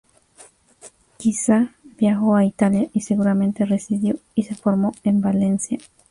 Quizá viajó a Italia y seguramente residió y se formó en Valencia.